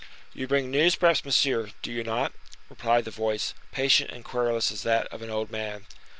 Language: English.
"You bring news, perhaps, monsieur, do you not?" replied the voice, patient and querulous as that of an old man.